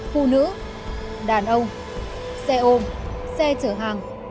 phụ nữ đàn ông xe ôm xe chở hàng